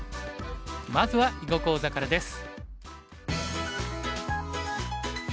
まずは囲碁講座からです。